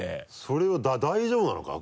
それ大丈夫なのか？